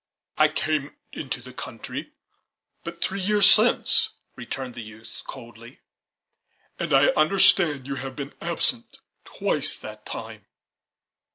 "I came into the country but three weeks since," returned the youth coldly, "and I understand you have been absent twice that time."